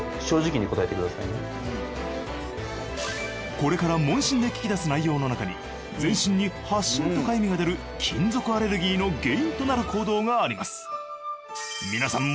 これから問診で聞き出す内容の中に全身に発疹とかゆみが出る金属アレルギーの原因となる行動があります。